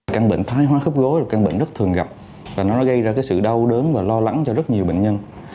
căn bệnh thai hoa khớp gối là căn bệnh rất thường gặp và nó gây ra sự đau đớn và lo lắng cho rất nhiều bệnh nhân